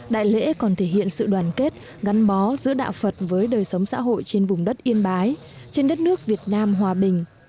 đại lễ còn thể hiện sự đoàn kết gắn bó giữa đạo phật với đời sống xã hội trên vùng đất yên bái trên đất nước việt nam hòa bình